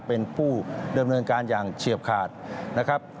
เป็นผู้เริ่มวิ่งการอย่างเฉียบขาดนะครับ